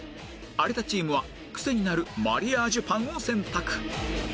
有田チームはクセになるマリアージュパンを選択